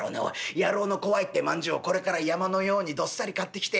野郎の怖いって饅頭をこれから山のようにどっさり買ってきてよ